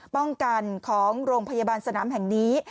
ป้องกันของโรงพยาบาลสนามแห่งนี้